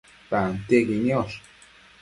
tantiequi niosh